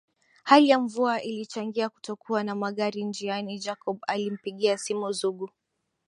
Hali ya mvua ilichangia kutokuwa na magari njiani Jacob alimpigia simu Zugu